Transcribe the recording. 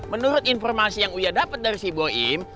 menurut informasi yang uya dapet dari si bu andien